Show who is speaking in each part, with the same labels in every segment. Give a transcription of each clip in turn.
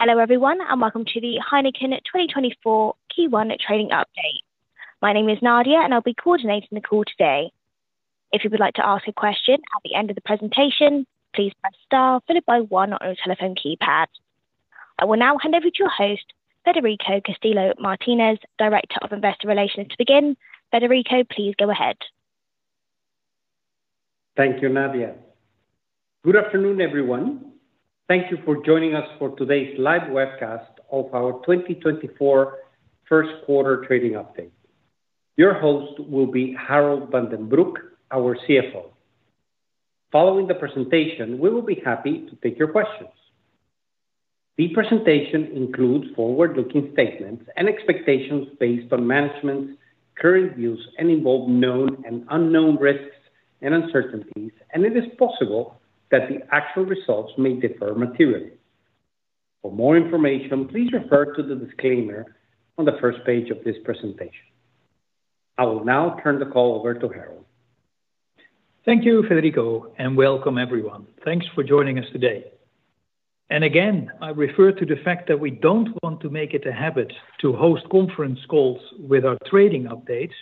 Speaker 1: Hello everyone, and welcome to the Heineken 2024 Q1 trading update. My name is Nadia, and I'll be coordinating the call today. If you would like to ask a question at the end of the presentation, please press * followed by 1 on your telephone keypad. I will now hand over to your host, Federico Castillo Martinez, Director of Investor Relations. To begin, Federico, please go ahead.
Speaker 2: Thank you, Nadia. Good afternoon, everyone. Thank you for joining us for today's live webcast of our 2024 first-quarter trading update. Your host will be Harold van den Broek, our CFO. Following the presentation, we will be happy to take your questions. The presentation includes forward-looking statements and expectations based on management's current views and involves known and unknown risks and uncertainties, and it is possible that the actual results may differ materially. For more information, please refer to the disclaimer on the first page of this presentation. I will now turn the call over to Harold.
Speaker 3: Thank you, Federico, and welcome everyone. Thanks for joining us today. And again, I refer to the fact that we don't want to make it a habit to host conference calls with our trading updates.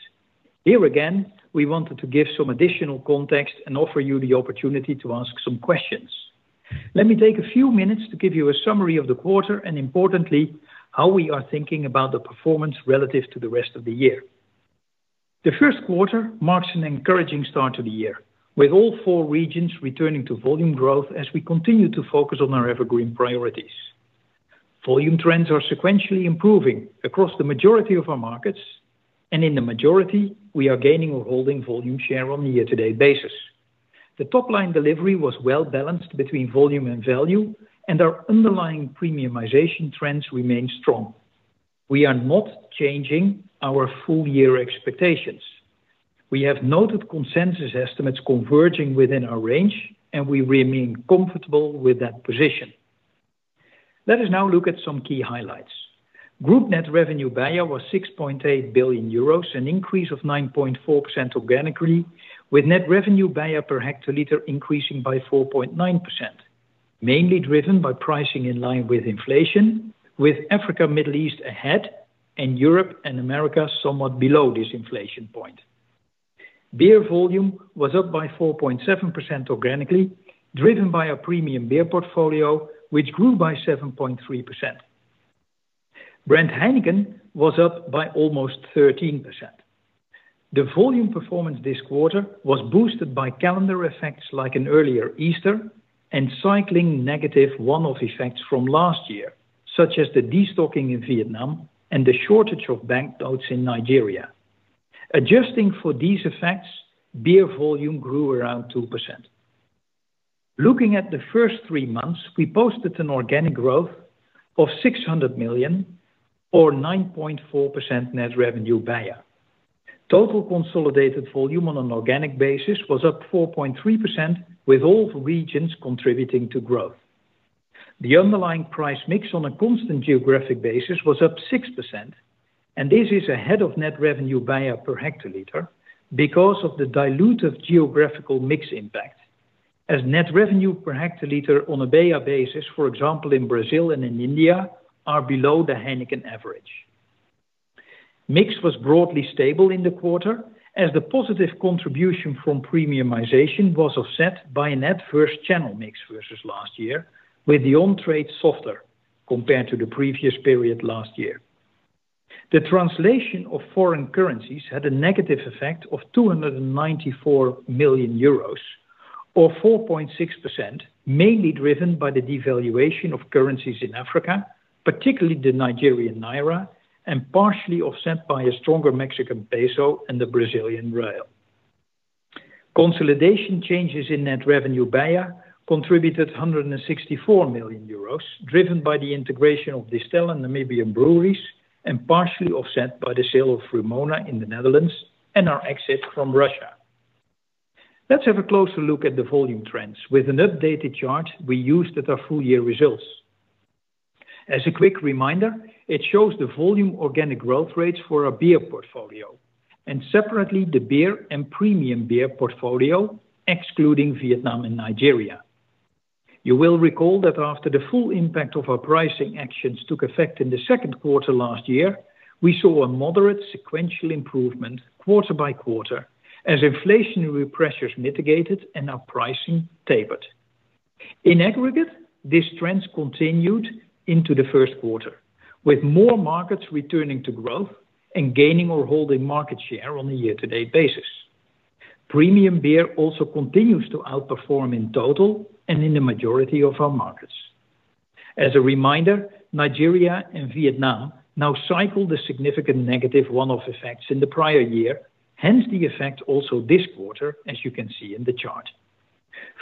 Speaker 3: Here again, we wanted to give some additional context and offer you the opportunity to ask some questions. Let me take a few minutes to give you a summary of the quarter and, importantly, how we are thinking about the performance relative to the rest of the year. The first quarter marks an encouraging start to the year, with all four regions returning to volume growth as we continue to focus on our EverGreen priorities. Volume trends are sequentially improving across the majority of our markets, and in the majority, we are gaining or holding volume share on a year-to-date basis. The top-line delivery was well balanced between volume and value, and our underlying premiumization trends remain strong. We are not changing our full-year expectations. We have noted consensus estimates converging within our range, and we remain comfortable with that position. Let us now look at some key highlights. Group net revenue beia was 6.8 billion euros, an increase of 9.4% organically, with net revenue beia per hectoliter increasing by 4.9%, mainly driven by pricing in line with inflation, with Africa, Middle East ahead, and Europe and America somewhat below this inflation point. Beer volume was up by 4.7% organically, driven by our premium beer portfolio, which grew by 7.3%. Brand Heineken was up by almost 13%. The volume performance this quarter was boosted by calendar effects like an earlier Easter and cycling negative one-off effects from last year, such as the destocking in Vietnam and the shortage of banknotes in Nigeria. Adjusting for these effects, beer volume grew around 2%. Looking at the first three months, we posted an organic growth of 600 million, or 9.4% net revenue beia. Total consolidated volume on an organic basis was up 4.3%, with all regions contributing to growth. The underlying price mix on a constant geographic basis was up 6%, and this is ahead of net revenue beia per hectoliter because of the dilutive geographical mix impact, as net revenue per hectoliter on a beia basis, for example in Brazil and in India, are below the Heineken average. Mix was broadly stable in the quarter, as the positive contribution from premiumization was offset by a net on-/off-trade channel mix versus last year, with the on-trade softer compared to the previous period last year. The translation of foreign currencies had a negative effect of 294 million euros, or 4.6%, mainly driven by the devaluation of currencies in Africa, particularly the Nigerian naira, and partially offset by a stronger Mexican peso and the Brazilian real. Consolidation changes in net revenue beia contributed 164 million euros, driven by the integration of Distell and Namibia Breweries, and partially offset by the sale of Vrumona in the Netherlands and our exit from Russia. Let's have a closer look at the volume trends with an updated chart we used at our full-year results. As a quick reminder, it shows the volume organic growth rates for our beer portfolio and separately the beer and premium beer portfolio, excluding Vietnam and Nigeria.You will recall that after the full impact of our pricing actions took effect in the second quarter last year, we saw a moderate sequential improvement quarter by quarter as inflationary pressures mitigated and our pricing tapered. In aggregate, these trends continued into the first quarter, with more markets returning to growth and gaining or holding market share on a year-to-date basis. Premium beer also continues to outperform in total and in the majority of our markets. As a reminder, Nigeria and Vietnam now cycle the significant negative one-off effects in the prior year, hence the effect also this quarter, as you can see in the chart.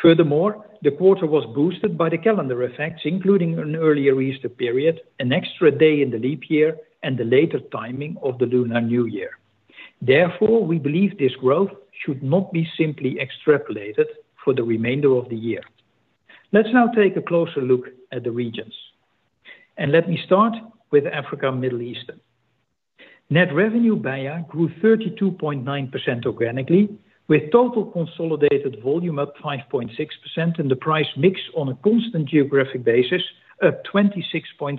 Speaker 3: Furthermore, the quarter was boosted by the calendar effects, including an earlier Easter period, an extra day in the leap year, and the later timing of the Lunar New Year. Therefore, we believe this growth should not be simply extrapolated for the remainder of the year. Let's now take a closer look at the regions. Let me start with Africa, Middle East. Net revenue beia grew 32.9% organically, with total consolidated volume up 5.6% and the price mix on a constant geographic basis up 26.7%,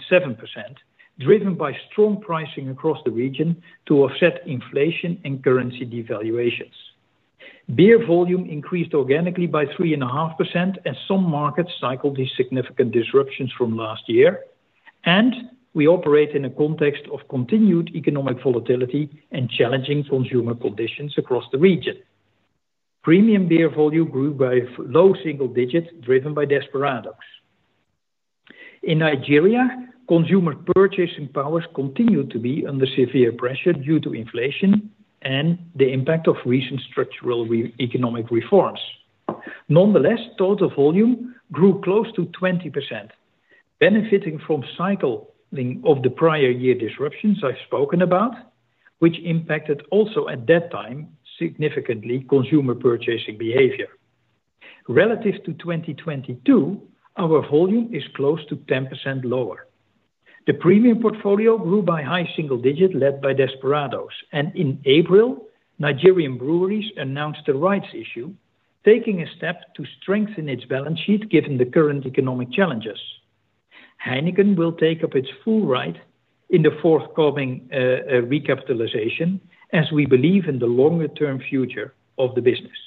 Speaker 3: driven by strong pricing across the region to offset inflation and currency devaluations. Beer volume increased organically by 3.5% as some markets cycled these significant disruptions from last year, and we operate in a context of continued economic volatility and challenging consumer conditions across the region. Premium beer volume grew by a low single digit, driven by Desperados. In Nigeria, consumer purchasing powers continued to be under severe pressure due to inflation and the impact of recent structural economic reforms. Nonetheless, total volume grew close to 20%, benefiting from cycling of the prior year disruptions I've spoken about, which impacted also at that time significantly consumer purchasing behavior. Relative to 2022, our volume is close to 10% lower. The premium portfolio grew by a high single digit led by Desperados, and in April, Nigerian Breweries announced a rights issue, taking a step to strengthen its balance sheet given the current economic challenges. Heineken will take up its full right in the forthcoming recapitalization as we believe in the longer-term future of the business.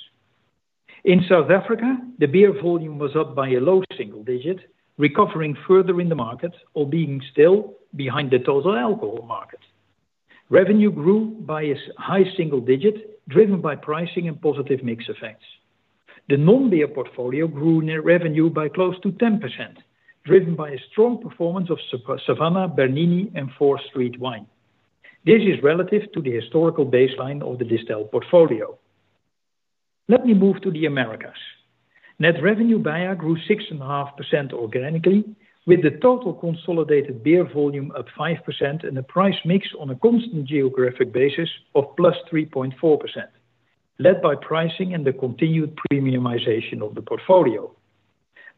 Speaker 3: In South Africa, the beer volume was up by a low single digit, recovering further in the market, albeit still behind the total alcohol market. Revenue grew by a high single digit, driven by pricing and positive mix effects. The non-beer portfolio grew net revenue by close to 10%, driven by a strong performance of Savanna, Bernini, and 4th Street wine. This is relative to the historical baseline of the Distell portfolio. Let me move to the Americas. Net revenue beia grew 6.5% organically, with the total consolidated beer volume up 5% and the price mix on a constant geographic basis of +3.4%, led by pricing and the continued premiumization of the portfolio.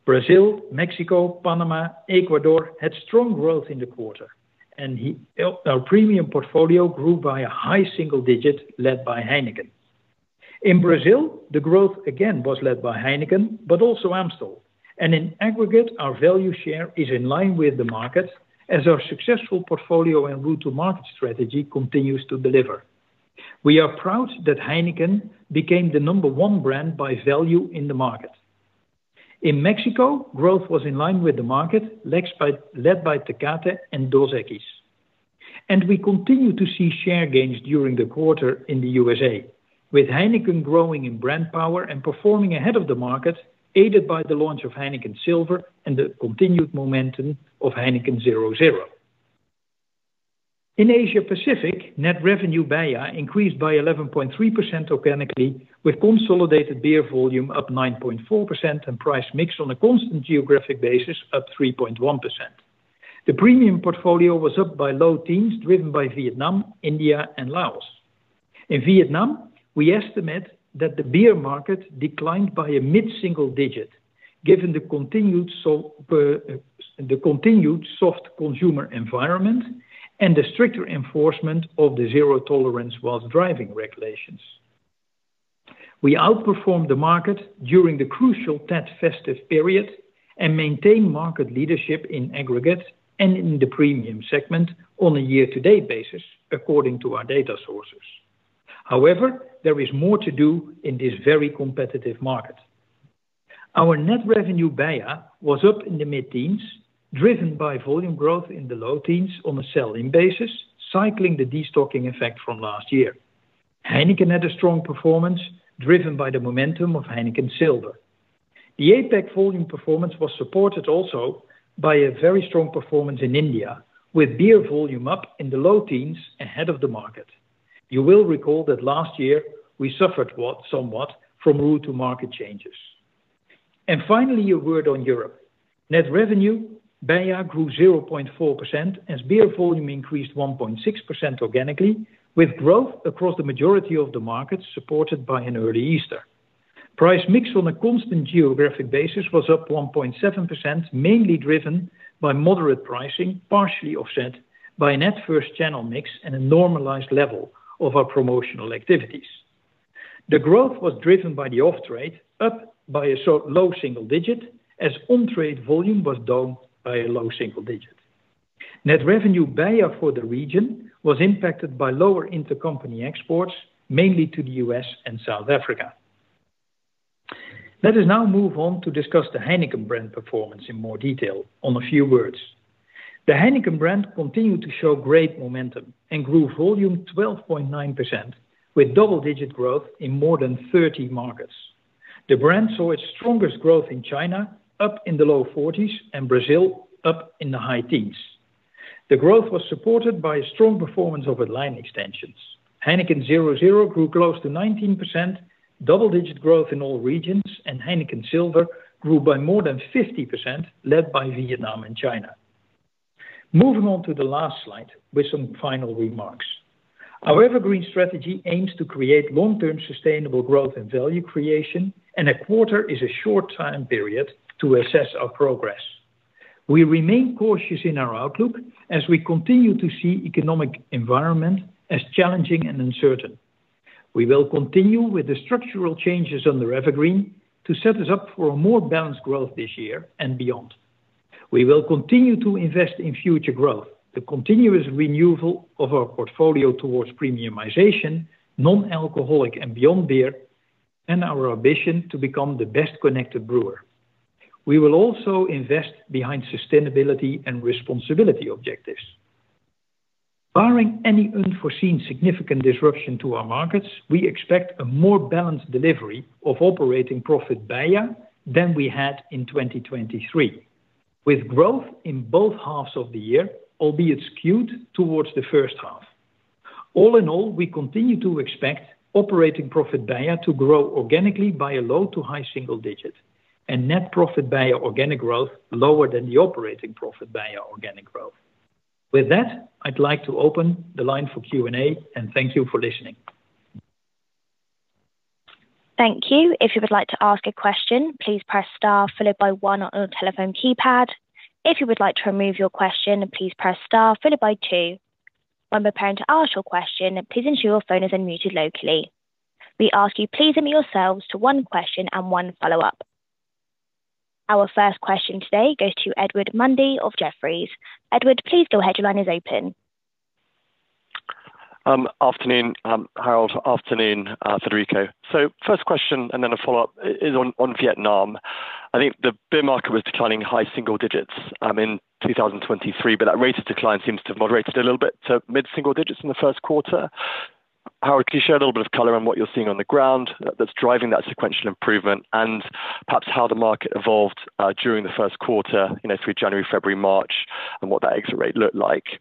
Speaker 3: Brazil, Mexico, Panama, Ecuador had strong growth in the quarter, and our premium portfolio grew by a high single digit led by Heineken. In Brazil, the growth again was led by Heineken but also Amstel, and in aggregate, our value share is in line with the markets as our successful portfolio and route-to-market strategy continues to deliver. We are proud that Heineken became the number one brand by value in the market. In Mexico, growth was in line with the market, led by Tecate and Dos Equis. We continue to see share gains during the quarter in the USA, with Heineken growing in brand power and performing ahead of the market, aided by the launch of Heineken Silver and the continued momentum of Heineken 0.0. In Asia Pacific, net revenue beia increased by 11.3% organically, with consolidated beer volume up 9.4% and price mix on a constant geographic basis up 3.1%. The premium portfolio was up by low teens, driven by Vietnam, India, and Laos. In Vietnam, we estimate that the beer market declined by a mid-single digit, given the continued soft consumer environment and the stricter enforcement of the zero tolerance while driving regulations. We outperformed the market during the crucial Tết Festive period and maintained market leadership in aggregate and in the premium segment on a year-to-date basis, according to our data sources. However, there is more to do in this very competitive market. Our net revenue beia was up in the mid-teens, driven by volume growth in the low teens on a sell-in basis, cycling the destocking effect from last year. Heineken had a strong performance, driven by the momentum of Heineken Silver. The APAC volume performance was supported also by a very strong performance in India, with beer volume up in the low teens ahead of the market. You will recall that last year we suffered somewhat from route-to-market changes. And finally, a word on Europe. Net revenue beia grew 0.4% as beer volume increased 1.6% organically, with growth across the majority of the markets supported by an early Easter. Price mix on a constant geographic basis was up 1.7%, mainly driven by moderate pricing, partially offset by a net off/on channel mix and a normalized level of our promotional activities. The growth was driven by the off-trade, up by a low single digit as on-trade volume was down by a low single digit. Net revenue beia for the region was impacted by lower intercompany exports, mainly to the U.S. and South Africa. Let us now move on to discuss the Heineken brand performance in more detail in a few words. The Heineken brand continued to show great momentum and grew volume 12.9%, with double-digit growth in more than 30 markets. The brand saw its strongest growth in China, up in the low 40s, and Brazil, up in the high teens. The growth was supported by a strong performance of its line extensions. Heineken 0.0 grew close to 19%, double-digit growth in all regions, and Heineken Silver grew by more than 50%, led by Vietnam and China. Moving on to the last slide with some final remarks. Our EverGreen strategy aims to create long-term sustainable growth and value creation, and a quarter is a short time period to assess our progress. We remain cautious in our outlook as we continue to see the economic environment as challenging and uncertain. We will continue with the structural changes on the EverGreen to set us up for a more balanced growth this year and beyond. We will continue to invest in future growth, the continuous renewal of our portfolio towards premiumization, non-alcoholic and beyond beer, and our ambition to become the best connected brewer. We will also invest behind sustainability and responsibility objectives. Barring any unforeseen significant disruption to our markets, we expect a more balanced delivery of operating profit beia than we had in 2023, with growth in both halves of the year, albeit skewed towards the first half. All in all, we continue to expect operating profit beia to grow organically by a low- to high-single-digit and net profit beia organic growth lower than the operating profit beia organic growth. With that, I'd like to open the line for Q&A, and thank you for listening.
Speaker 1: Thank you. If you would like to ask a question, please press star followed by one on your telephone keypad. If you would like to remove your question, please press star followed by two. When preparing to ask your question, please ensure your phone is unmuted locally. We ask you please limit yourselves to one question and one follow-up. Our first question today goes to Edward Mundy of Jefferies. Edward, please go ahead. Your line is open.
Speaker 4: Afternoon, Harold. Afternoon, Federico. First question, and then a follow-up, is on Vietnam. I think the beer market was declining high single digits in 2023, but that rate of decline seems to have moderated a little bit to mid-single digits in the first quarter. Harold, can you share a little bit of color on what you're seeing on the ground that's driving that sequential improvement and perhaps how the market evolved during the first quarter through January, February, March, and what that exit rate looked like?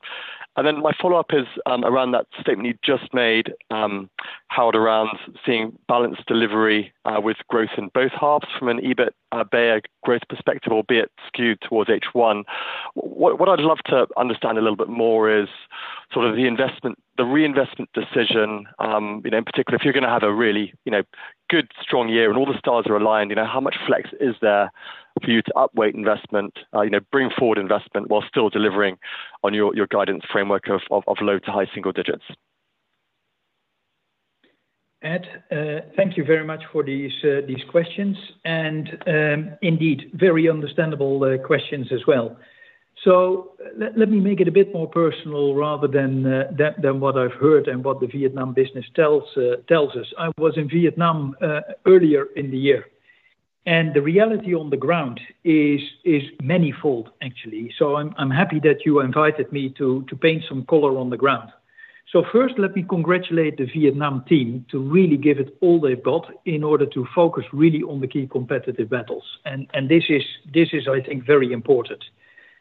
Speaker 4: And then my follow-up is around that statement you just made, Harold, around seeing balanced delivery with growth in both halves from an EBIT beia growth perspective, albeit skewed towards H1. What I'd love to understand a little bit more is sort of the reinvestment decision, in particular, if you're going to have a really good, strong year and all the stars are aligned, how much flex is there for you to upweight investment, bring forward investment while still delivering on your guidance framework of low to high single digits?
Speaker 3: Ed, thank you very much for these questions. Indeed, very understandable questions as well. Let me make it a bit more personal rather than what I've heard and what the Vietnam business tells us. I was in Vietnam earlier in the year, and the reality on the ground is many-fold, actually. I'm happy that you invited me to paint some color on the ground. First, let me congratulate the Vietnam team to really give it all they've got in order to focus really on the key competitive battles. This is, I think, very important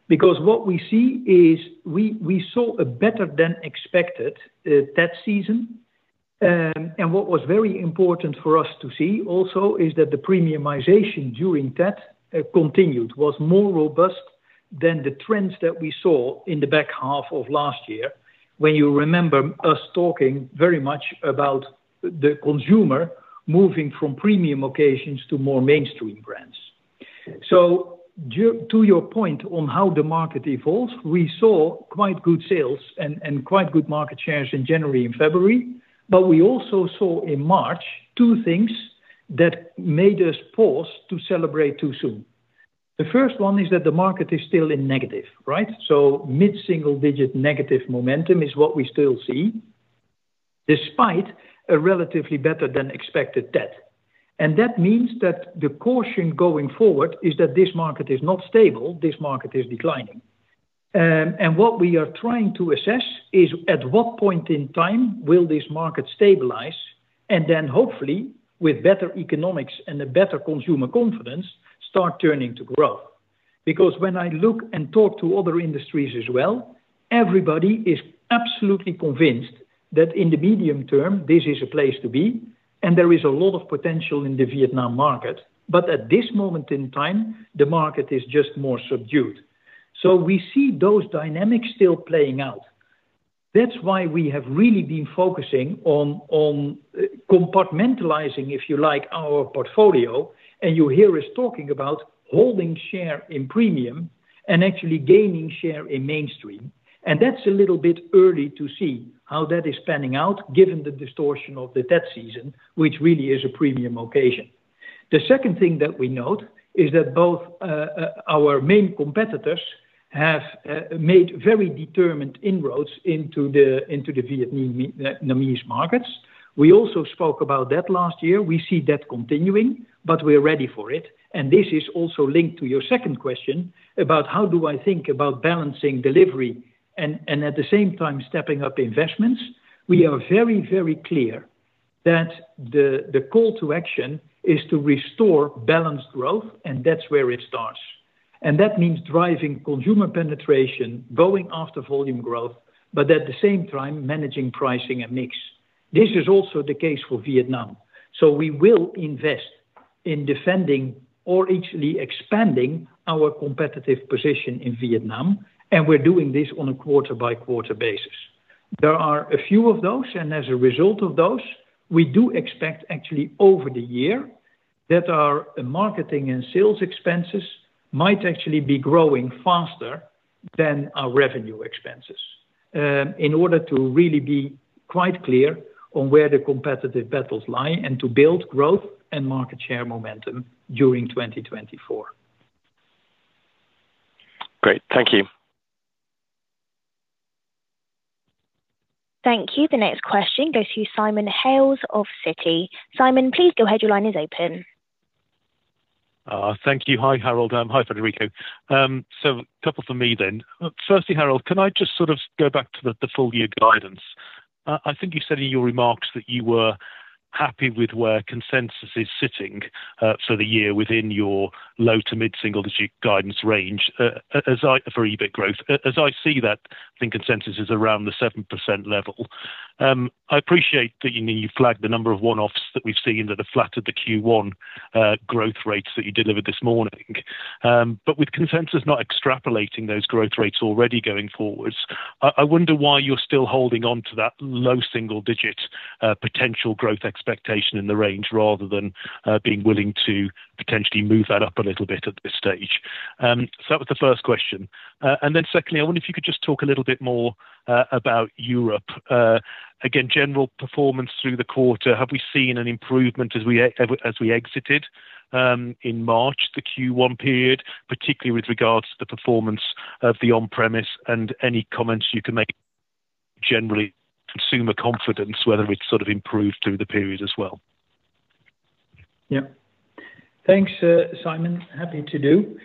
Speaker 3: because what we see is we saw a better-than-expected Tết season. What was very important for us to see also is that the premiumization during Tết continued, was more robust than the trends that we saw in the back half of last year when you remember us talking very much about the consumer moving from premium occasions to more mainstream brands. To your point on how the market evolves, we saw quite good sales and quite good market shares in January and February, but we also saw in March two things that made us pause to celebrate too soon. The first one is that the market is still in negative, right? Mid-single digit negative momentum is what we still see despite a relatively better-than-expected Tết. That means that the caution going forward is that this market is not stable. This market is declining. What we are trying to assess is at what point in time will this market stabilize and then hopefully, with better economics and a better consumer confidence, start turning to growth? Because when I look and talk to other industries as well, everybody is absolutely convinced that in the medium term, this is a place to be, and there is a lot of potential in the Vietnam market. But at this moment in time, the market is just more subdued. So we see those dynamics still playing out. That's why we have really been focusing on compartmentalizing, if you like, our portfolio. And you hear us talking about holding share in premium and actually gaining share in mainstream. And that's a little bit early to see how that is panning out given the distortion of the Tết season, which really is a premium occasion. The second thing that we note is that both our main competitors have made very determined inroads into the Vietnamese markets. We also spoke about that last year. We see that continuing, but we're ready for it. And this is also linked to your second question about how do I think about balancing delivery and at the same time stepping up investments. We are very, very clear that the call to action is to restore balanced growth, and that's where it starts. And that means driving consumer penetration, going after volume growth, but at the same time, managing pricing and mix. This is also the case for Vietnam. So we will invest in defending or actually expanding our competitive position in Vietnam, and we're doing this on a quarter-by-quarter basis. There are a few of those. As a result of those, we do expect actually over the year that our marketing and sales expenses might actually be growing faster than our revenue expenses in order to really be quite clear on where the competitive battles lie and to build growth and market share momentum during 2024.
Speaker 4: Great. Thank you.
Speaker 1: Thank you. The next question goes to Simon Hales of Citi. Simon, please go ahead. Your line is open.
Speaker 5: Thank you. Hi, Harold. Hi, Federico. So a couple for me then. Firstly, Harold, can I just sort of go back to the full-year guidance? I think you said in your remarks that you were happy with where consensus is sitting for the year within your low to mid-single digit guidance range for EBIT growth. As I see that, I think consensus is around the 7% level. I appreciate that you flagged the number of one-offs that we've seen that have flattered the Q1 growth rates that you delivered this morning. But with consensus not extrapolating those growth rates already going forwards, I wonder why you're still holding on to that low single digit potential growth expectation in the range rather than being willing to potentially move that up a little bit at this stage. So that was the first question. And then secondly, I wonder if you could just talk a little bit more about Europe. Again, general performance through the quarter. Have we seen an improvement as we exited in March, the Q1 period, particularly with regards to the performance of the on-premise and any comments you can make generally consumer confidence, whether it's sort of improved through the period as well?
Speaker 3: Yep. Thanks, Simon. Happy to do.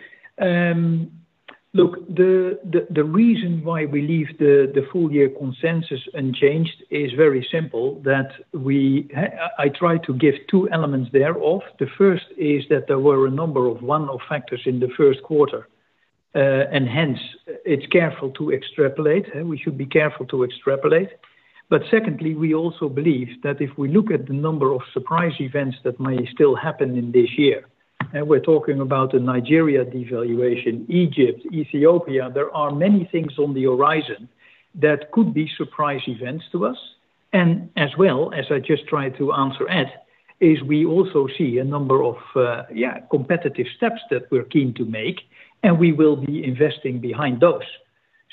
Speaker 3: Look, the reason why we leave the full-year consensus unchanged is very simple. I tried to give two elements thereof. The first is that there were a number of one-off factors in the first quarter, and hence, it's careful to extrapolate. We should be careful to extrapolate. But secondly, we also believe that if we look at the number of surprise events that may still happen in this year - we're talking about Nigeria devaluation, Egypt, Ethiopia - there are many things on the horizon that could be surprise events to us. And as well, as I just tried to answer Ed, is we also see a number of competitive steps that we're keen to make, and we will be investing behind those.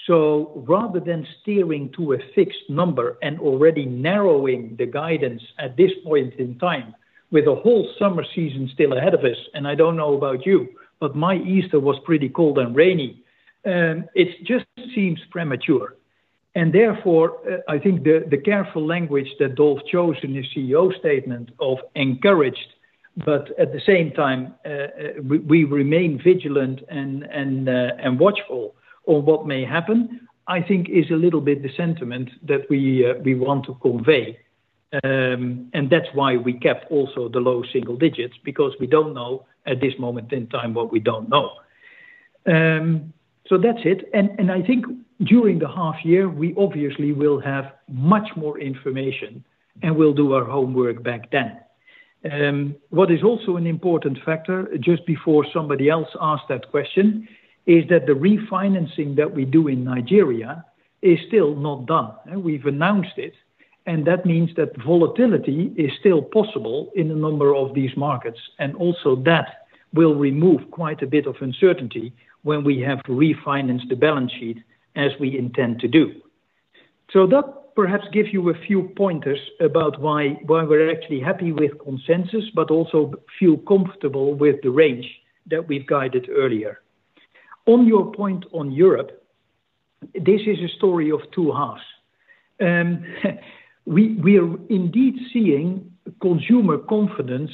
Speaker 3: So rather than steering to a fixed number and already narrowing the guidance at this point in time with a whole summer season still ahead of us—and I don't know about you, but my Easter was pretty cold and rainy—it just seems premature. And therefore, I think the careful language that Dolf chose in his CEO statement of encouraged, but at the same time, we remain vigilant and watchful on what may happen, I think is a little bit the sentiment that we want to convey. And that's why we kept also the low single digits because we don't know at this moment in time what we don't know. So that's it. And I think during the half-year, we obviously will have much more information and will do our homework back then. What is also an important factor just before somebody else asked that question is that the refinancing that we do in Nigeria is still not done. We've announced it, and that means that volatility is still possible in a number of these markets. And also that will remove quite a bit of uncertainty when we have refinanced the balance sheet as we intend to do. So that perhaps gives you a few pointers about why we're actually happy with consensus but also feel comfortable with the range that we've guided earlier. On your point on Europe, this is a story of two halves. We are indeed seeing consumer confidence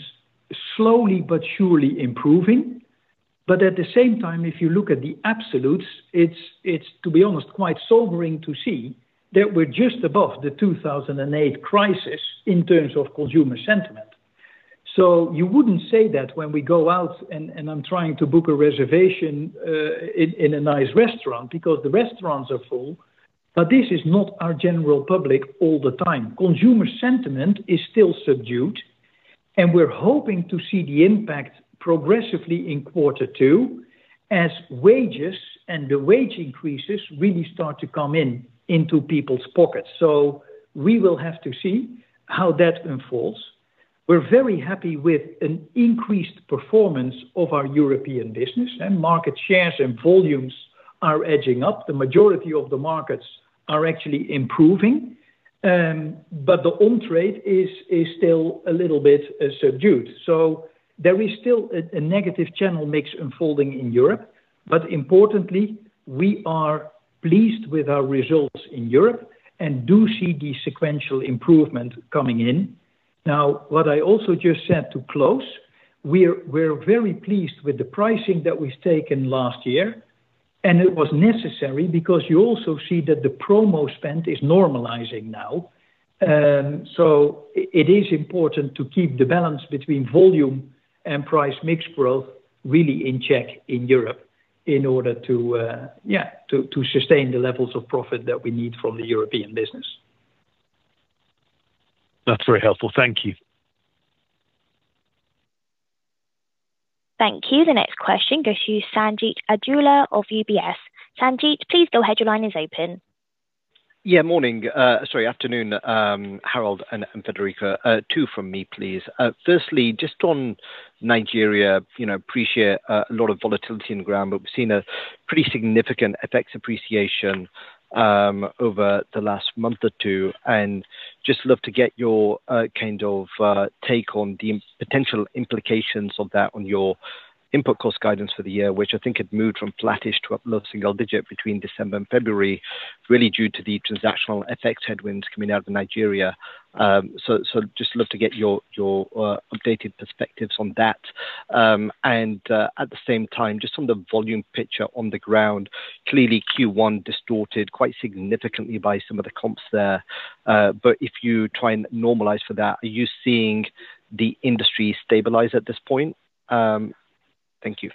Speaker 3: slowly but surely improving. But at the same time, if you look at the absolutes, it's, to be honest, quite sobering to see that we're just above the 2008 crisis in terms of consumer sentiment. So you wouldn't say that when we go out and I'm trying to book a reservation in a nice restaurant because the restaurants are full, but this is not our general public all the time. Consumer sentiment is still subdued, and we're hoping to see the impact progressively in quarter two as wages and the wage increases really start to come into people's pockets. So we will have to see how that unfolds. We're very happy with an increased performance of our European business. Market shares and volumes are edging up. The majority of the markets are actually improving, but the on-trade is still a little bit subdued. So there is still a negative channel mix unfolding in Europe. But importantly, we are pleased with our results in Europe and do see the sequential improvement coming in. Now, what I also just said to close, we're very pleased with the pricing that we've taken last year, and it was necessary because you also see that the promo spend is normalizing now. It is important to keep the balance between volume and price mix growth really in check in Europe in order to sustain the levels of profit that we need from the European business.
Speaker 5: That's very helpful. Thank you.
Speaker 1: Thank you. The next question goes to Sanjeet Aujla of UBS. Sanjeet, please go ahead. Your line is open.
Speaker 6: Yeah. Morning, sorry, afternoon, Harold and Federico. Two from me, please. Firstly, just on Nigeria, I appreciate a lot of volatility on the ground, but we've seen a pretty significant FX appreciation over the last month or two. And just love to get your kind of take on the potential implications of that on your input cost guidance for the year, which I think had moved from flattish to up low-single-digit between December and February really due to the transactional FX headwinds coming out of Nigeria. So just love to get your updated perspectives on that. And at the same time, just on the volume picture on the ground, clearly Q1 distorted quite significantly by some of the comps there. But if you try and normalize for that, are you seeing the industry stabilize at this point? Thank you.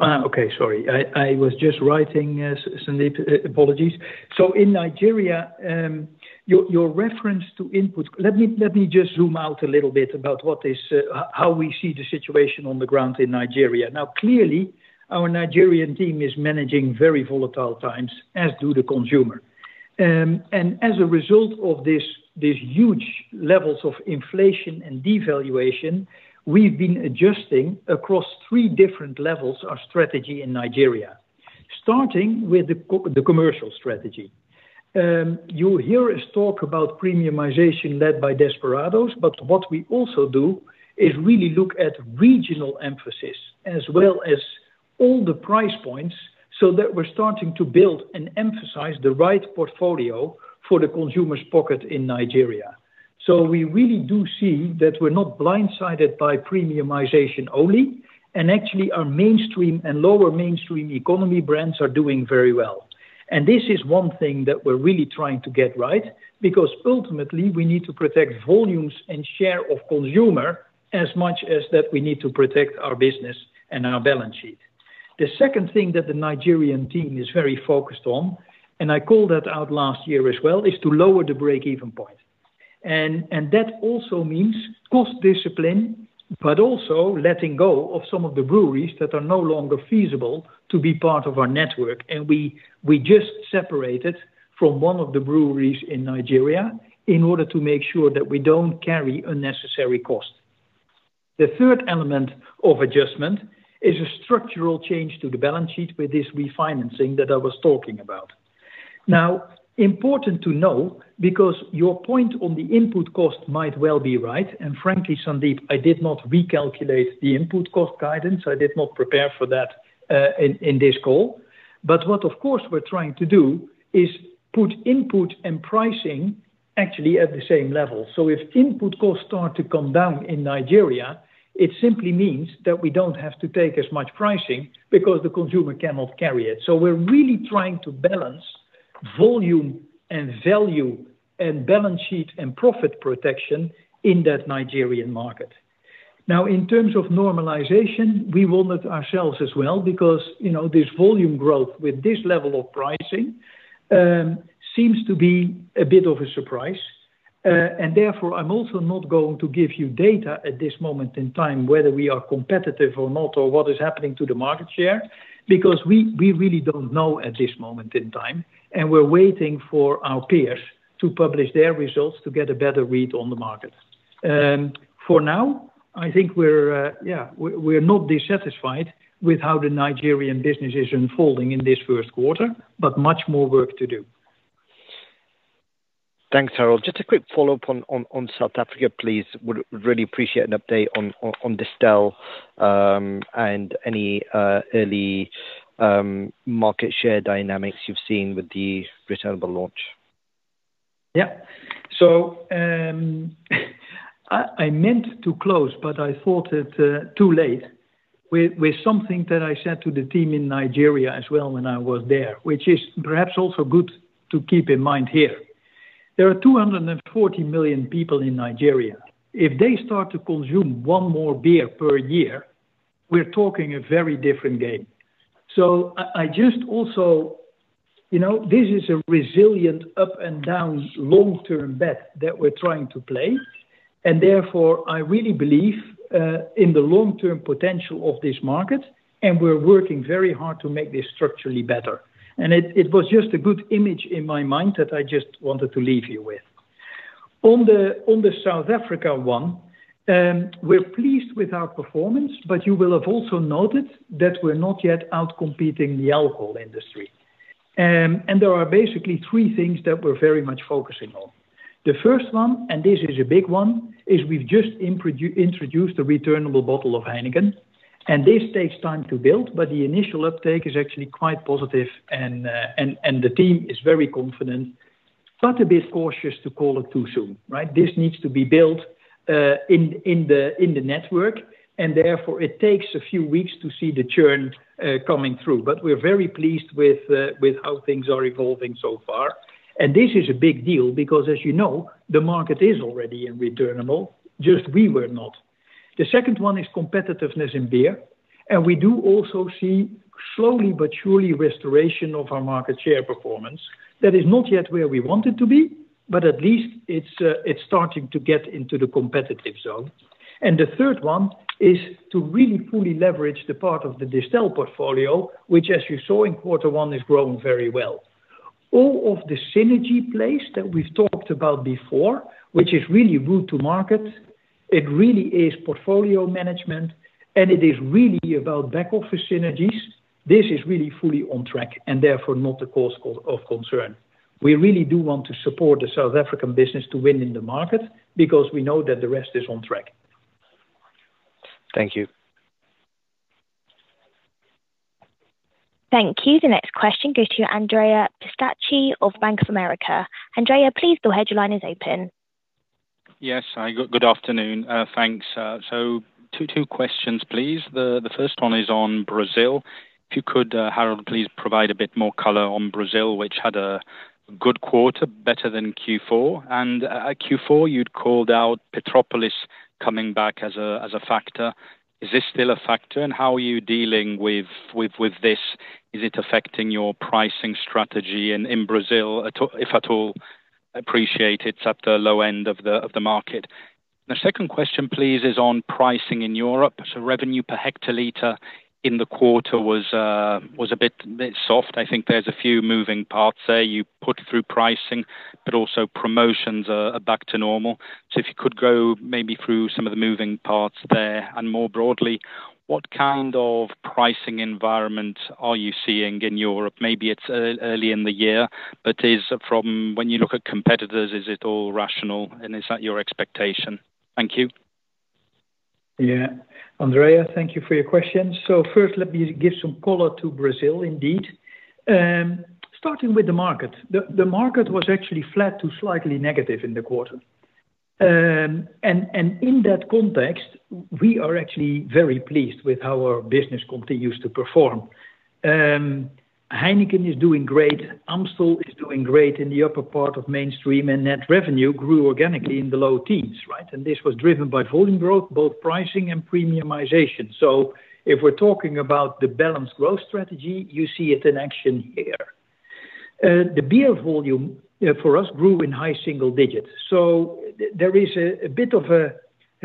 Speaker 3: Okay. Sorry. I was just writing, Sanjeet. Apologies. So in Nigeria, your reference to inputs let me just zoom out a little bit about how we see the situation on the ground in Nigeria. Now, clearly, our Nigerian team is managing very volatile times, as do the consumer. And as a result of these huge levels of inflation and devaluation, we've been adjusting across three different levels our strategy in Nigeria, starting with the commercial strategy. You'll hear us talk about Premiumization led by Desperados, but what we also do is really look at regional emphasis as well as all the price points so that we're starting to build and emphasize the right portfolio for the consumer's pocket in Nigeria. So we really do see that we're not blindsided by Premiumization only, and actually, our mainstream and lower mainstream economy brands are doing very well. This is one thing that we're really trying to get right because ultimately, we need to protect volumes and share of consumer as much as that we need to protect our business and our balance sheet. The second thing that the Nigerian team is very focused on, and I called that out last year as well, is to lower the breakeven point. That also means cost discipline but also letting go of some of the breweries that are no longer feasible to be part of our network. We just separated from one of the breweries in Nigeria in order to make sure that we don't carry unnecessary cost. The third element of adjustment is a structural change to the balance sheet with this refinancing that I was talking about. Now, important to know because your point on the input cost might well be right. Frankly, Sanjeet, I did not recalculate the input cost guidance. I did not prepare for that in this call. But what, of course, we're trying to do is put input and pricing actually at the same level. So if input costs start to come down in Nigeria, it simply means that we don't have to take as much pricing because the consumer cannot carry it. So we're really trying to balance volume and value and balance sheet and profit protection in that Nigerian market. Now, in terms of normalization, we wondered ourselves as well because this volume growth with this level of pricing seems to be a bit of a surprise. Therefore, I'm also not going to give you data at this moment in time whether we are competitive or not or what is happening to the market share because we really don't know at this moment in time. We're waiting for our peers to publish their results to get a better read on the market. For now, I think we're not dissatisfied with how the Nigerian business is unfolding in this first quarter but much more work to do.
Speaker 6: Thanks, Harold. Just a quick follow-up on South Africa, please. Would really appreciate an update on Distell and any early market share dynamics you've seen with the returnable launch.
Speaker 3: Yep. So I meant to close, but I thought it too late with something that I said to the team in Nigeria as well when I was there, which is perhaps also good to keep in mind here. There are 240 million people in Nigeria. If they start to consume one more beer per year, we're talking a very different game. So I just also this is a resilient up-and-down long-term bet that we're trying to play. And therefore, I really believe in the long-term potential of this market, and we're working very hard to make this structurally better. And it was just a good image in my mind that I just wanted to leave you with. On the South Africa one, we're pleased with our performance, but you will have also noted that we're not yet outcompeting the alcohol industry. There are basically three things that we're very much focusing on. The first one, and this is a big one, is we've just introduced the returnable bottle of Heineken. This takes time to build, but the initial uptake is actually quite positive, and the team is very confident but a bit cautious to call it too soon, right? This needs to be built in the network, and therefore, it takes a few weeks to see the churn coming through. But we're very pleased with how things are evolving so far. This is a big deal because, as you know, the market is already in returnable. Just we were not. The second one is competitiveness in beer. We do also see slowly but surely restoration of our market share performance. That is not yet where we want it to be, but at least it's starting to get into the competitive zone. The third one is to really fully leverage the part of the Distell portfolio, which, as you saw in quarter one, is growing very well. All of the synergy plays that we've talked about before, which is really route to market, it really is portfolio management, and it is really about back-office synergies. This is really fully on track and therefore not a cause of concern. We really do want to support the South African business to win in the market because we know that the rest is on track.
Speaker 6: Thank you.
Speaker 1: Thank you. The next question goes to Andrea Pistacchi of Bank of America. Andrea, please go ahead. Your line is open.
Speaker 7: Yes. Good afternoon. Thanks. So two questions, please. The first one is on Brazil. If you could, Harold, please provide a bit more color on Brazil, which had a good quarter, better than Q4. And at Q4, you'd called out Petropolis coming back as a factor. Is this still a factor? And how are you dealing with this? Is it affecting your pricing strategy in Brazil, if at all? Appreciate it's at the low end of the market. The second question, please, is on pricing in Europe. So revenue per hectoliter in the quarter was a bit soft. I think there's a few moving parts there. You put through pricing, but also promotions are back to normal. So if you could go maybe through some of the moving parts there and more broadly, what kind of pricing environment are you seeing in Europe? Maybe it's early in the year, but when you look at competitors, is it all rational, and is that your expectation? Thank you.
Speaker 3: Yeah. Andrea, thank you for your question. So first, let me give some color to Brazil indeed. Starting with the market, the market was actually flat to slightly negative in the quarter. And in that context, we are actually very pleased with how our business continues to perform. Heineken is doing great. Amstel is doing great in the upper part of mainstream, and net revenue grew organically in the low teens%, right? And this was driven by volume growth, both pricing and premiumization. So if we're talking about the balanced growth strategy, you see it in action here. The beer volume for us grew in high single digits%. So there is a bit of a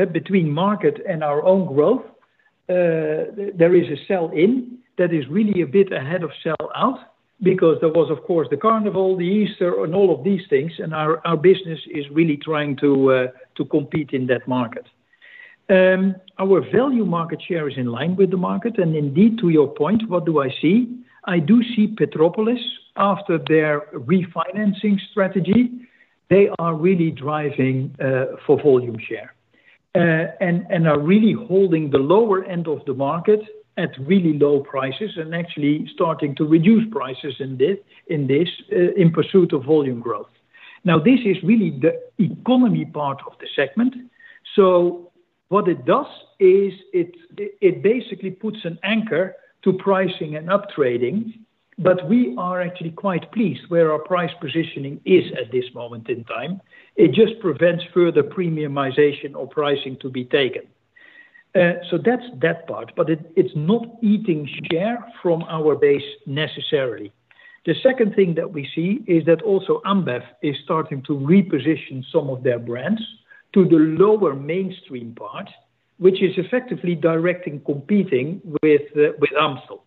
Speaker 3: between market and our own growth, there is a sell-in that is really a bit ahead of sell-out because there was, of course, the Carnival, the Easter, and all of these things. Our business is really trying to compete in that market. Our value market share is in line with the market. And indeed, to your point, what do I see? I do see Petropolis, after their refinancing strategy, they are really driving for volume share and are really holding the lower end of the market at really low prices and actually starting to reduce prices in pursuit of volume growth. Now, this is really the economy part of the segment. So what it does is it basically puts an anchor to pricing and uptrading, but we are actually quite pleased where our price positioning is at this moment in time. It just prevents further premiumization or pricing to be taken. So that's that part, but it's not eating share from our base necessarily. The second thing that we see is that also Ambev is starting to reposition some of their brands to the lower mainstream part, which is effectively directly competing with Amstel.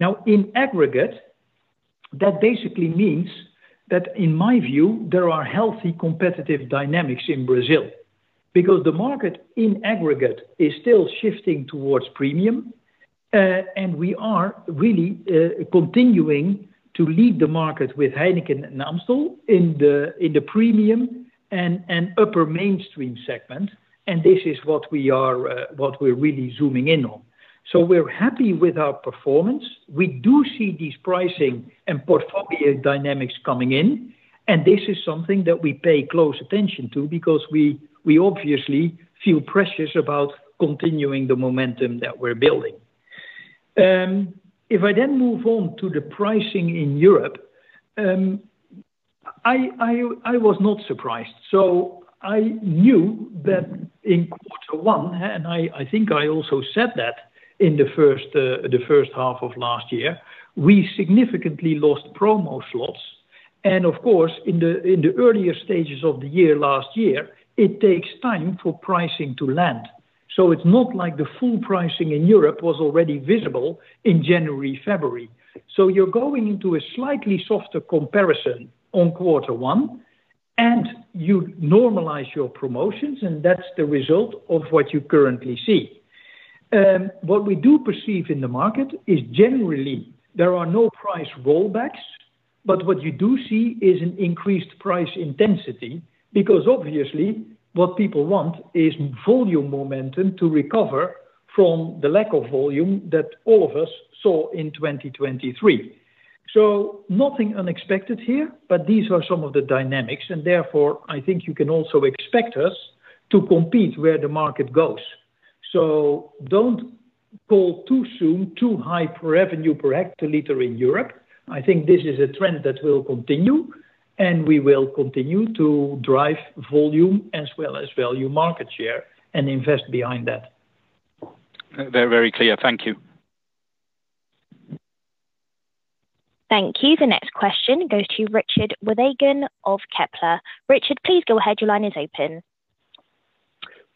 Speaker 3: Now, in aggregate, that basically means that, in my view, there are healthy competitive dynamics in Brazil because the market in aggregate is still shifting towards premium, and we are really continuing to lead the market with Heineken and Amstel in the premium and upper mainstream segment. And this is what we're really zooming in on. So we're happy with our performance. We do see these pricing and portfolio dynamics coming in, and this is something that we pay close attention to because we obviously feel pressures about continuing the momentum that we're building. If I then move on to the pricing in Europe, I was not surprised. So I knew that in quarter one and I think I also said that in the first half of last year, we significantly lost promo slots. And of course, in the earlier stages of the year last year, it takes time for pricing to land. So it's not like the full pricing in Europe was already visible in January, February. So you're going into a slightly softer comparison on quarter one, and you normalize your promotions, and that's the result of what you currently see. What we do perceive in the market is generally, there are no price rollbacks, but what you do see is an increased price intensity because, obviously, what people want is volume momentum to recover from the lack of volume that all of us saw in 2023. So nothing unexpected here, but these are some of the dynamics. Therefore, I think you can also expect us to compete where the market goes. So don't call too soon too high revenue per hectoliter in Europe. I think this is a trend that will continue, and we will continue to drive volume as well as value market share and invest behind that.
Speaker 7: They're very clear. Thank you.
Speaker 1: Thank you. The next question goes to Richard Withagen of Kepler. Richard, please go ahead. Your line is open.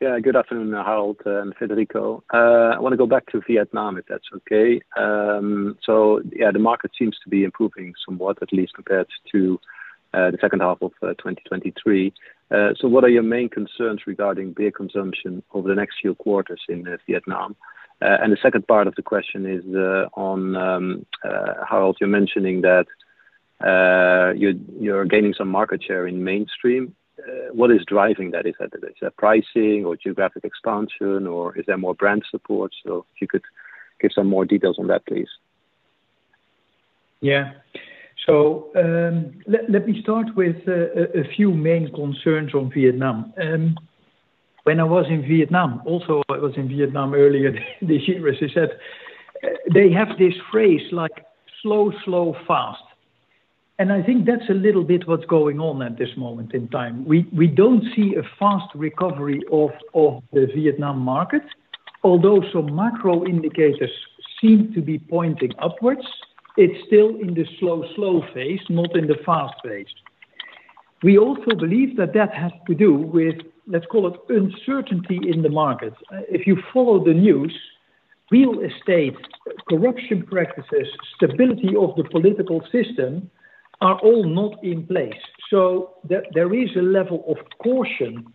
Speaker 8: Yeah. Good afternoon, Harold and Federico. I want to go back to Vietnam, if that's okay. So yeah, the market seems to be improving somewhat, at least compared to the second half of 2023. So what are your main concerns regarding beer consumption over the next few quarters in Vietnam? And the second part of the question is on Harold, you're mentioning that you're gaining some market share in mainstream. What is driving that? Is that pricing or geographic expansion, or is there more brand support? So if you could give some more details on that, please.
Speaker 3: Yeah. So let me start with a few main concerns on Vietnam. When I was in Vietnam also, I was in Vietnam earlier this year, as I said, they have this phrase like slow, slow, fast. And I think that's a little bit what's going on at this moment in time. We don't see a fast recovery of the Vietnam market, although some macro indicators seem to be pointing upwards. It's still in the slow, slow phase, not in the fast phase. We also believe that that has to do with, let's call it, uncertainty in the market. If you follow the news, real estate, corruption practices, stability of the political system are all not in place. So there is a level of caution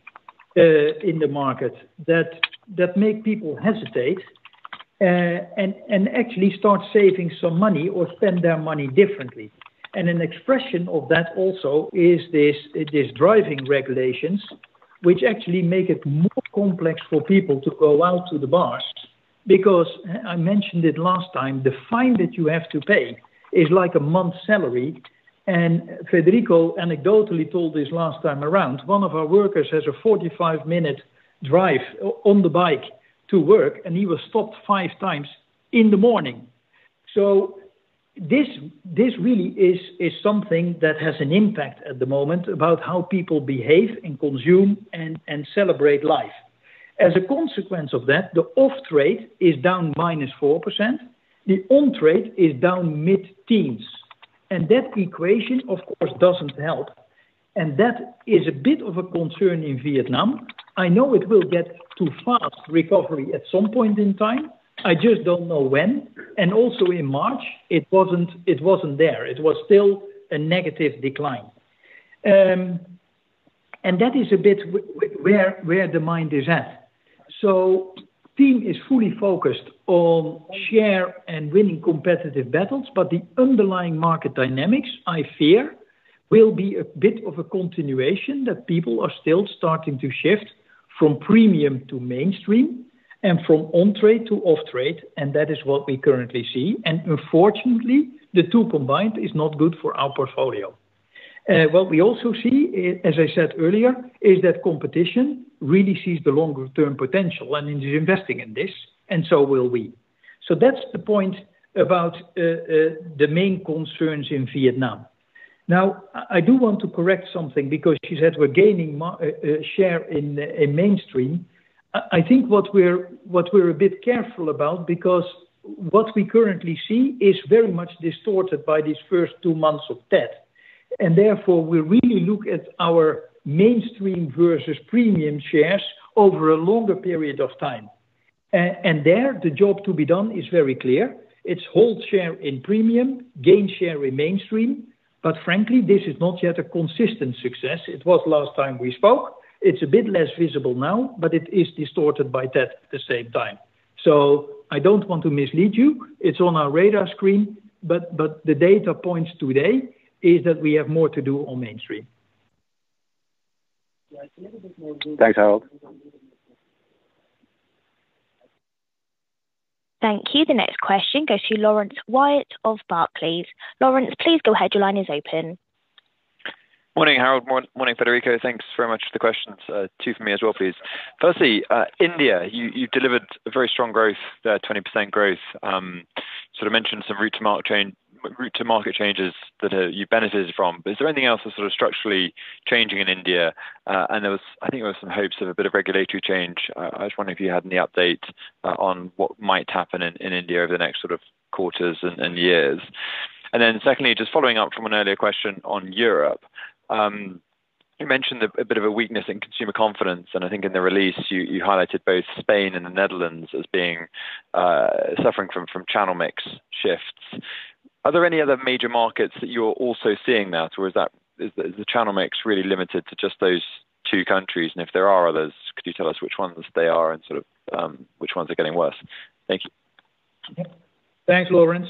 Speaker 3: in the market that makes people hesitate and actually start saving some money or spend their money differently. An expression of that also is these driving regulations, which actually make it more complex for people to go out to the bars because I mentioned it last time, the fine that you have to pay is like a month's salary. Federico anecdotally told this last time around, one of our workers has a 45-minute drive on the bike to work, and he was stopped five times in the morning. So this really is something that has an impact at the moment about how people behave and consume and celebrate life. As a consequence of that, the off-trade is down -4%. The on-trade is down mid-teens. That equation, of course, doesn't help. That is a bit of a concern in Vietnam. I know it will get to fast recovery at some point in time. I just don't know when. And also in March, it wasn't there. It was still a negative decline. And that is a bit where the mind is at. So the team is fully focused on share and winning competitive battles, but the underlying market dynamics, I fear, will be a bit of a continuation that people are still starting to shift from premium to mainstream and from on-trade to off-trade. And that is what we currently see. And unfortunately, the two combined is not good for our portfolio. What we also see, as I said earlier, is that competition really sees the longer-term potential and is investing in this, and so will we. So that's the point about the main concerns in Vietnam. Now, I do want to correct something because you said we're gaining share in mainstream. I think what we're a bit careful about because what we currently see is very much distorted by these first two months of Tết. Therefore, we really look at our mainstream versus premium shares over a longer period of time. There, the job to be done is very clear. It's hold share in premium, gain share in mainstream. But frankly, this is not yet a consistent success. It was last time we spoke. It's a bit less visible now, but it is distorted by Tết at the same time. So I don't want to mislead you. It's on our radar screen, but the data points today is that we have more to do on mainstream.
Speaker 8: Yeah. It's a little bit more visible.
Speaker 7: Thanks, Harold.
Speaker 1: Thank you. The next question goes to Laurence Whyatt of Barclays. Laurence, please go ahead. Your line is open.
Speaker 9: Morning, Harold. Morning, Federico. Thanks very much for the questions. Two for me as well, please. Firstly, India, you've delivered very strong growth, 20% growth, sort of mentioned some route-to-market changes that you've benefited from. But is there anything else that's sort of structurally changing in India? And I think there were some hopes of a bit of regulatory change. I was wondering if you had any updates on what might happen in India over the next sort of quarters and years. And then secondly, just following up from an earlier question on Europe, you mentioned a bit of a weakness in consumer confidence. And I think in the release, you highlighted both Spain and the Netherlands as suffering from channel mix shifts. Are there any other major markets that you're also seeing now, or is the channel mix really limited to just those two countries? If there are others, could you tell us which ones they are and sort of which ones are getting worse? Thank you.
Speaker 3: Okay. Thanks, Laurence.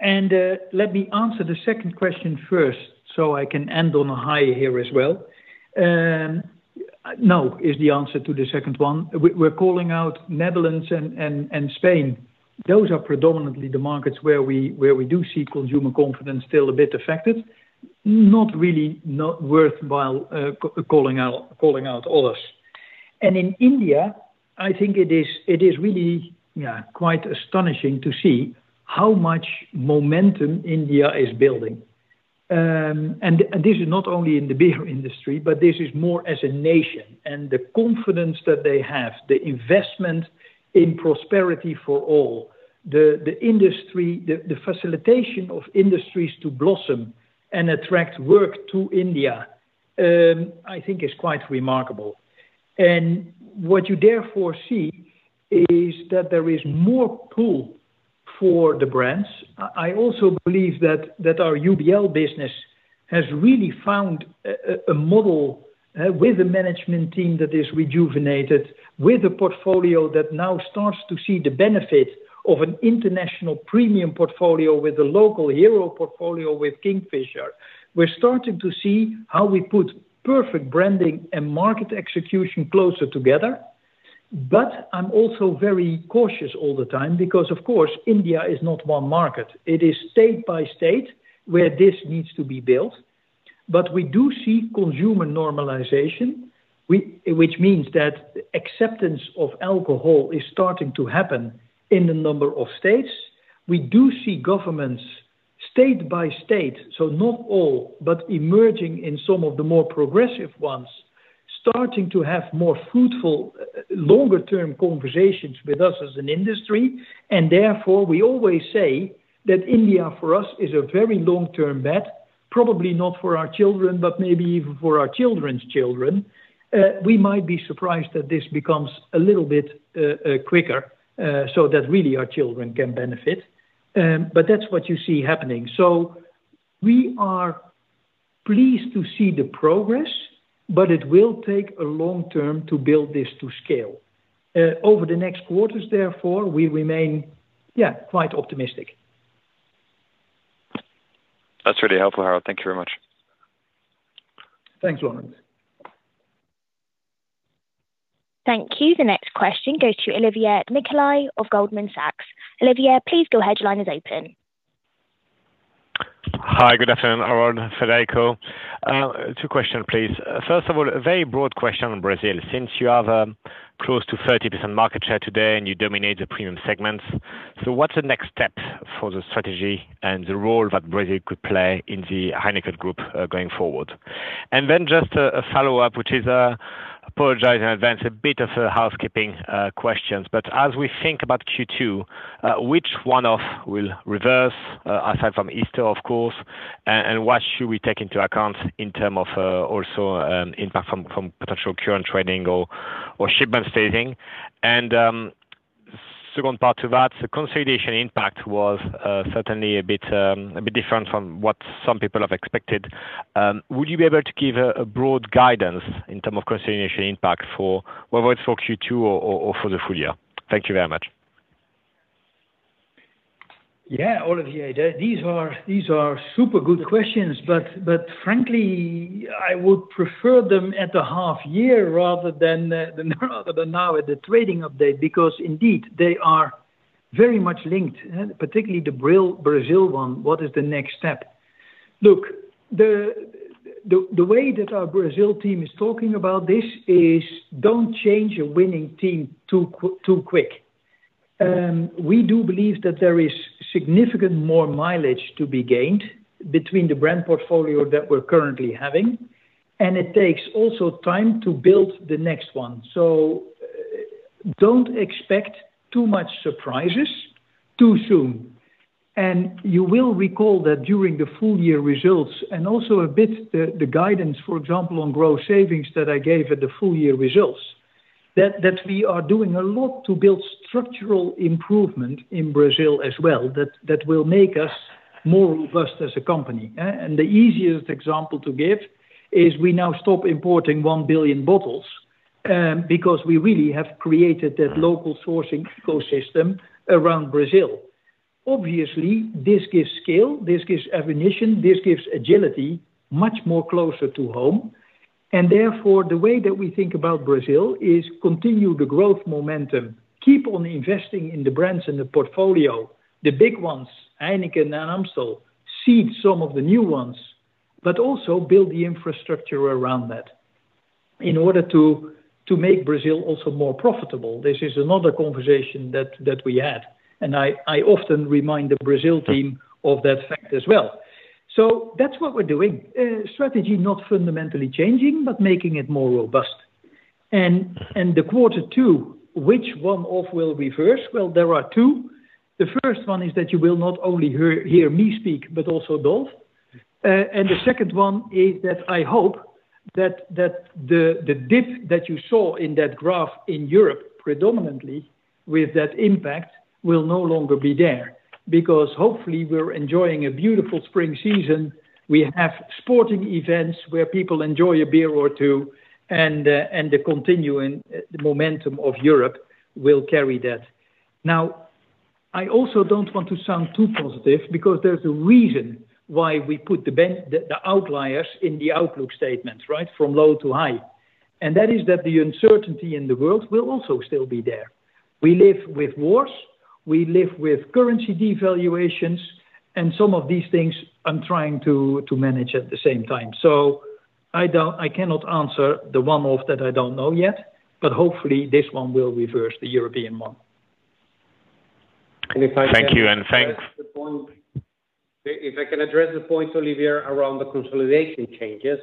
Speaker 3: Let me answer the second question first so I can end on a high here as well. No, is the answer to the second one? We're calling out Netherlands and Spain. Those are predominantly the markets where we do see consumer confidence still a bit affected. Not really worthwhile calling out others. In India, I think it is really, yeah, quite astonishing to see how much momentum India is building. This is not only in the beer industry, but this is more as a nation. The confidence that they have, the investment in prosperity for all, the facilitation of industries to blossom and attract work to India, I think is quite remarkable. What you therefore see is that there is more pull for the brands. I also believe that our UBL business has really found a model with a management team that is rejuvenated, with a portfolio that now starts to see the benefit of an international premium portfolio with a local hero portfolio with Kingfisher. We're starting to see how we put perfect branding and market execution closer together. But I'm also very cautious all the time because, of course, India is not one market. It is state by state where this needs to be built. But we do see consumer normalization, which means that acceptance of alcohol is starting to happen in a number of states. We do see governments state by state so not all, but emerging in some of the more progressive ones starting to have more fruitful, longer-term conversations with us as an industry. Therefore, we always say that India, for us, is a very long-term bet, probably not for our children, but maybe even for our children's children. We might be surprised that this becomes a little bit quicker so that really our children can benefit. That's what you see happening. We are pleased to see the progress, but it will take a long term to build this to scale. Over the next quarters, therefore, we remain, yeah, quite optimistic.
Speaker 9: That's really helpful, Harold. Thank you very much.
Speaker 3: Thanks, Laurence.
Speaker 1: Thank you. The next question goes to Olivier Nicolaï of Goldman Sachs. Olivier, please go ahead. Your line is open.
Speaker 10: Hi. Good afternoon, Harold and Federico. Two questions, please. First of all, a very broad question on Brazil. Since you have close to 30% market share today and you dominate the premium segments, so what's the next step for the strategy and the role that Brazil could play in the Heineken Group going forward? And then just a follow-up, which is I apologize in advance, a bit of housekeeping questions. But as we think about Q2, which one-off will reverse aside from Easter, of course, and what should we take into account in terms of also impact from potential current trading or shipment staging? And second part to that, the consolidation impact was certainly a bit different from what some people have expected. Would you be able to give a broad guidance in terms of consolidation impact for whether it's for Q2 or for the full year? Thank you very much.
Speaker 3: Yeah, Olivier, these are super good questions, but frankly, I would prefer them at the half-year rather than now at the trading update because indeed, they are very much linked, particularly the Brazil one. What is the next step? Look, the way that our Brazil team is talking about this is don't change a winning team too quick. We do believe that there is significant more mileage to be gained between the brand portfolio that we're currently having, and it takes also time to build the next one. So don't expect too much surprises too soon. And you will recall that during the full-year results and also a bit the guidance, for example, on gross savings that I gave at the full-year results, that we are doing a lot to build structural improvement in Brazil as well that will make us more robust as a company. The easiest example to give is we now stop importing 1 billion bottles because we really have created that local sourcing ecosystem around Brazil. Obviously, this gives scale. This gives attention. This gives agility much more closer to home. Therefore, the way that we think about Brazil is continue the growth momentum, keep on investing in the brands and the portfolio, the big ones, Heineken and Amstel, seed some of the new ones, but also build the infrastructure around that in order to make Brazil also more profitable. This is another conversation that we had. And I often remind the Brazil team of that fact as well. So that's what we're doing, strategy not fundamentally changing, but making it more robust. And the quarter two, which one of will reverse? Well, there are two. The first one is that you will not only hear me speak but also Dolf. The second one is that I hope that the dip that you saw in that graph in Europe predominantly with that impact will no longer be there because hopefully, we're enjoying a beautiful spring season. We have sporting events where people enjoy a beer or two, and the continuing momentum of Europe will carry that. Now, I also don't want to sound too positive because there's a reason why we put the outliers in the outlook statements, right, from low to high. And that is that the uncertainty in the world will also still be there. We live with wars. We live with currency devaluations. And some of these things, I'm trying to manage at the same time. I cannot answer the one-off that I don't know yet, but hopefully, this one will reverse the European one. And if I can.
Speaker 10: Thank you. Thanks.
Speaker 3: If I can address the point, Olivier, around the consolidation changes,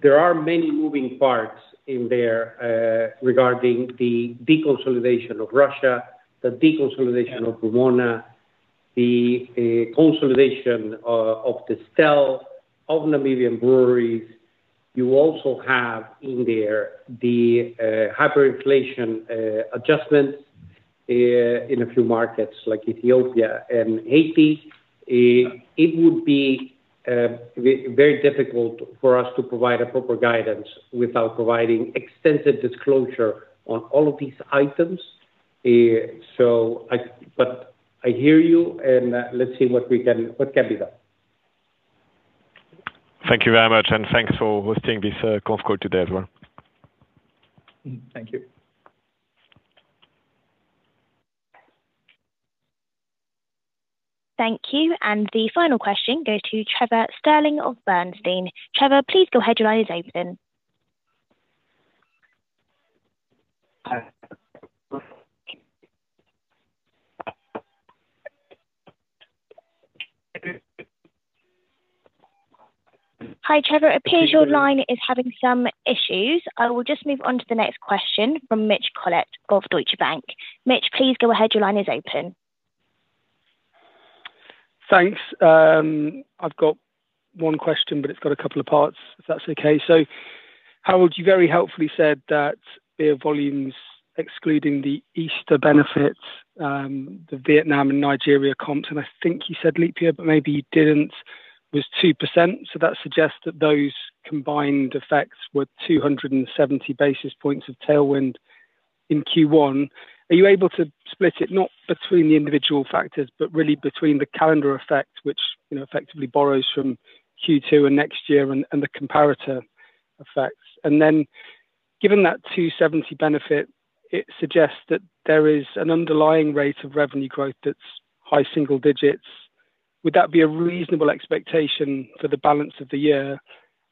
Speaker 3: there are many moving parts in there regarding the deconsolidation of Russia, the deconsolidation of Vrumona, the consolidation of Distell, of Namibia Breweries. You also have in there the hyperinflation adjustments in a few markets like Ethiopia and Haiti. It would be very difficult for us to provide a proper guidance without providing extensive disclosure on all of these items. But I hear you, and let's see what can be done.
Speaker 10: Thank you very much. Thanks for hosting this conference call today as well.
Speaker 3: Thank you.
Speaker 1: Thank you. And the final question goes to Trevor Stirling of Bernstein. Trevor, please go ahead. Your line is open. Hi, Trevor. It appears your line is having some issues. I will just move on to the next question from Mitch Collett of Deutsche Bank. Mitch, please go ahead. Your line is open.
Speaker 11: Thanks. I've got one question, but it's got a couple of parts, if that's okay. So Harold, you very helpfully said that beer volumes, excluding the Easter benefits, the Vietnam and Nigeria comps - and I think you said leap year, but maybe you didn't - was 2%. So that suggests that those combined effects were 270 basis points of tailwind in Q1. Are you able to split it not between the individual factors, but really between the calendar effect, which effectively borrows from Q2 and next year, and the comparator effects? And then given that 270 benefit, it suggests that there is an underlying rate of revenue growth that's high single digits. Would that be a reasonable expectation for the balance of the year?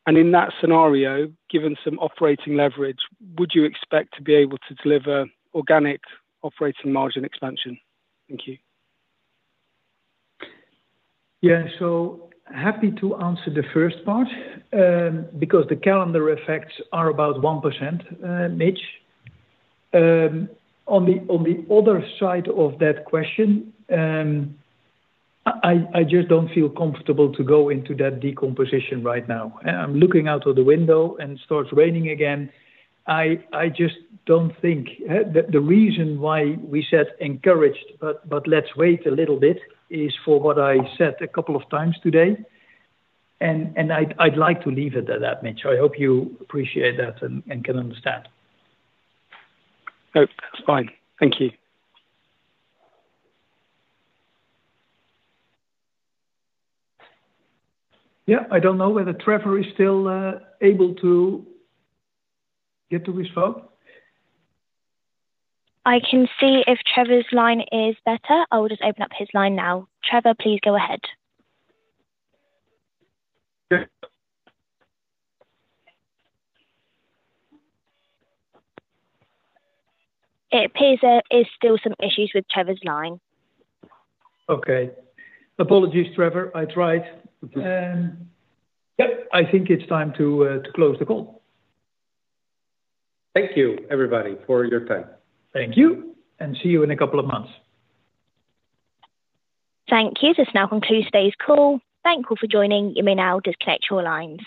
Speaker 11: And in that scenario, given some operating leverage, would you expect to be able to deliver organic operating margin expansion? Thank you.
Speaker 3: Yeah. So happy to answer the first part because the calendar effects are about 1%, Mitch. On the other side of that question, I just don't feel comfortable to go into that decomposition right now. I'm looking out of the window, and it starts raining again. I just don't think the reason why we said encouraged, but let's wait a little bit, is for what I said a couple of times today. And I'd like to leave it at that, Mitch. I hope you appreciate that and can understand.
Speaker 11: No, that's fine. Thank you.
Speaker 3: Yeah. I don't know whether Trevor is still able to get to his phone.
Speaker 1: I can see if Trevor's line is better. I will just open up his line now. Trevor, please go ahead.
Speaker 3: Okay.
Speaker 1: It appears there are still some issues with Trevor's line.
Speaker 3: Okay. Apologies, Trevor. I tried. Yep. I think it's time to close the call.
Speaker 7: Thank you, everybody, for your time.
Speaker 3: Thank you. See you in a couple of months.
Speaker 1: Thank you. This now concludes today's call. Thank you for joining. You may now disconnect your lines.